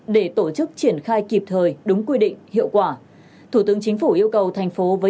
để tổ chức triển khai kịp thời đúng quy định hiệu quả